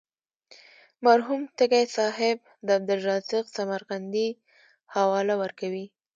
مرحوم تږی صاحب د عبدالرزاق سمرقندي حواله ورکوي.